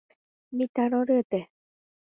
Mitã roryete